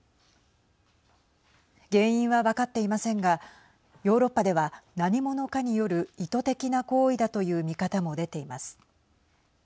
原因は分かっていませんがヨーロッパでは何者かによる意図的な行為だという見方も出ています。